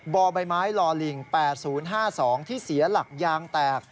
บ่อใบไม้ลอลิง๘๐๕๒ที่เสียหลักยางแตก